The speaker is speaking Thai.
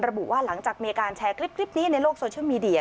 บอกว่าหลังจากมีการแชร์คลิปนี้ในโลกโซเชียลมีเดีย